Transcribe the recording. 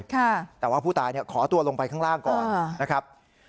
แต่ว่าผู้ตายเนี่ยขอตัวลงไปข้างล่างก่อนนะครับ